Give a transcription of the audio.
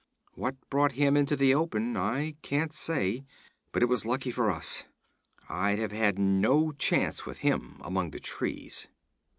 What brought him into the open, I can't say, but it was lucky for us; I'd have had no chance with him among the trees.'